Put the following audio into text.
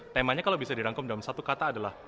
temanya kalau bisa dirangkum dalam satu kata adalah